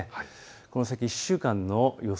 この先１週間の予想